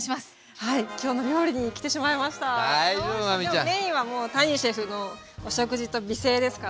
でもメインはもう谷シェフのお食事と美声ですから。